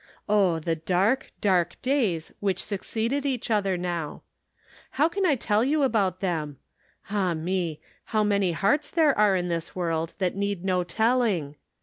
Oh, the dark, dark days which succeeded each other now ! How can I tell you about them ? Ah me ! how many hearts there are in this world that need no telling